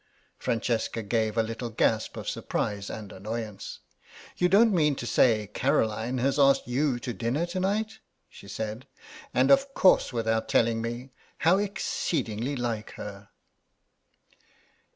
Francesca gave a little gasp of surprise and annoyance. "You don't mean to say Caroline has asked you to dinner to night?" she said; "and of course without telling me. How exceedingly like her!"